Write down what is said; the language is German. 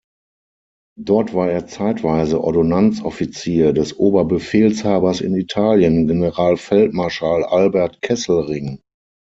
Dort war er zeitweise Ordonnanzoffizier des Oberbefehlshabers in Italien, Generalfeldmarschall Albert Kesselring.